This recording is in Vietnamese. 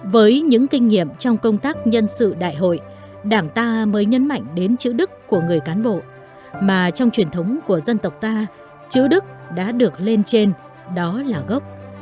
với những kinh nghiệm trong công tác nhân sự đại hội đảng ta mới nhấn mạnh đến chữ đức của người cán bộ mà trong truyền thống của dân tộc ta chữ đức đã được lên trên đó là gốc